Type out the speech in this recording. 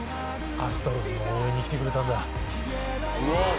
アストロズの応援に来てくれたんだうわ